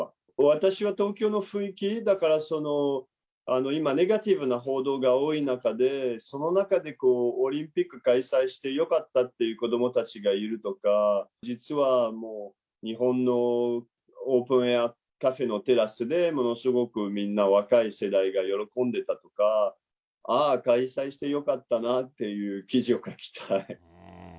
私は東京の雰囲気、だからその、今、ネガティブな報道が多い中で、その中でこう、オリンピック開催してよかったっていう子どもたちがいるとか、実はもう日本のオープンカフェのテラスで、ものすごくみんな若い世代が喜んでたとか、ああ、開催してよかったなっていう記事を書きたい。